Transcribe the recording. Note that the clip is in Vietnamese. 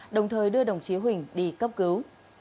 đồng thời đưa đồng chí huỳnh đi cấp cứu